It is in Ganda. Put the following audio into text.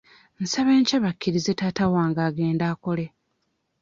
Nsaba enkya bakkirize taata wange agende akole.